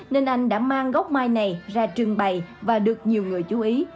nên anh đã mang gốc mai này ra trưng bày và được nhiều người chú ý